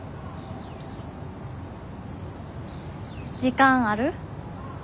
時間ある？